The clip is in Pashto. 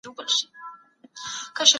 که انلاین لارښوونه وي نو پوهه نه کمیږي.